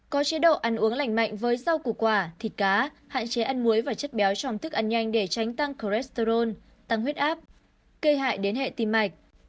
có chế độ ăn uống lành mạnh với rau củ quả thịt cá hạn chế ăn muối và chất béo trong thức ăn nhanh để tránh tăng cholesterol tăng huyết áp gây hại đến hệ tim mạch